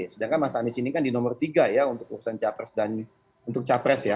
sedangkan mas anies ini kan di nomor tiga ya untuk perusahaan capres